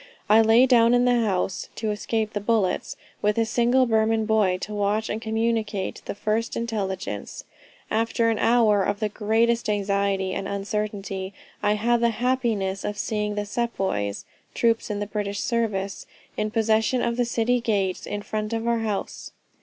I lay down in the house, (to escape the bullets,) with a single Burman boy, to watch and communicate the first intelligence After an hour of the greatest anxiety and uncertainty I had the happiness of seeing the sepoys (troops in the British service) in possession of the city gates in front of our house.